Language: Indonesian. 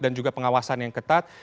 dan juga pengawasan yang ketat